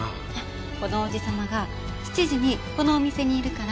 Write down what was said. このおじ様が７時にこのお店にいるから。